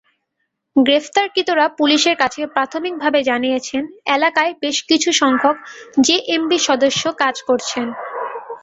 গ্রেপ্তারকৃতরা পুলিশের কাছে প্রাথমিকভাবে জানিয়েছেন, এলাকায় বেশ কিছুসংখ্যক জেএমবি সদস্য কাজ করছেন।